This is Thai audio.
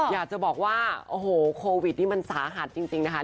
อยากจะบอกว่าโอ้โหโควิดนี่มันสาหัสจริงนะคะ